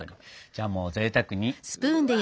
じゃあもうぜいたくに。